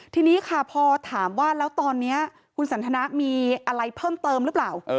ทีนี้ค่ะพอถามว่าแล้วตอนนี้คุณสันทนามีอะไรเพิ่มเติมหรือเปล่า